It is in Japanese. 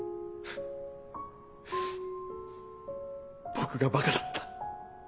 僕が馬鹿だった。